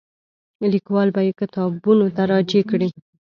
لیکوال به یې کتابونو ته راجع کړي.